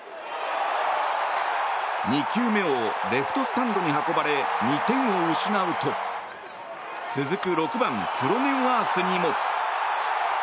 ２球目をレフトスタンドに運ばれ２点を失うと続く６番クロネンワースにも。